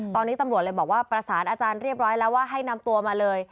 ตอนนี้ตำรวจเลยบอกว่าประสานอาจารย์เรียบร้อยแล้วว่าให้นำตัวมาเลย